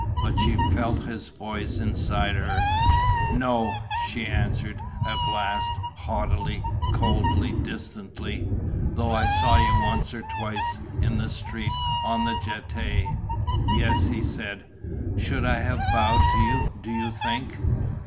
But she felt his voice inside her. "No," she answered, at last, haughtily, coldly, distantly. "Though I saw you once or twice, in the street, on the Jetée." "Yes," he said. "Should I have bowed to you, do you think?"